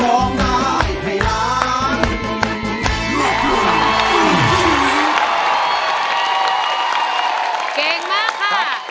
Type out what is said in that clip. ร้องได้แบบนี้รับราคาสี่หมื่น